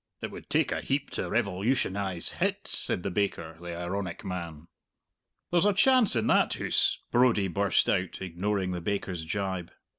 "It would take a heap to revolutionize hit," said the baker, the ironic man. "There's a chance in that hoose," Brodie burst out, ignoring the baker's gibe.